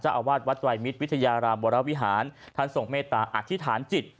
อาวาสวัดไตรมิตรวิทยารามวรวิหารท่านทรงเมตตาอธิษฐานจิต